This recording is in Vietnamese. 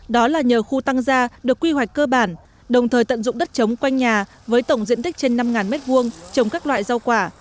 đó là nhờ khu tăng gia được quy hoạch cơ bản đồng thời tận dụng đất trống quanh nhà với tổng diện tích trên năm m hai trồng các loại rau quả